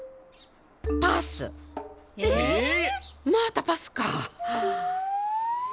またパスか。